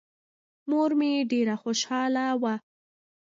مور مې ډېره خوشاله وه.